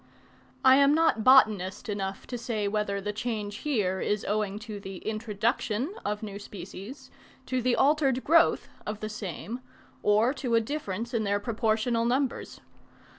I am not botanist enough to say whether the change here is owing to the introduction of new species, to the altered growth of the same, or to a difference in their proportional numbers.